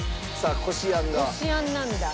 こしあんなんだ。